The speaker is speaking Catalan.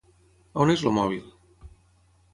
On és el mòbil?